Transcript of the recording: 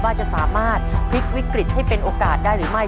ว่าจะสามารถพลิกวิกฤตให้เป็นโอกาสได้หรือไม่